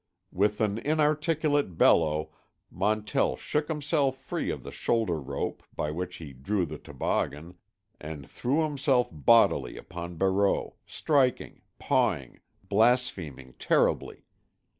With an inarticulate bellow Montell shook himself free of the shoulder rope by which he drew the toboggan and threw himself bodily upon Barreau, striking, pawing, blaspheming terribly.